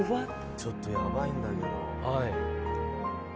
ちょっとやばいんだけど。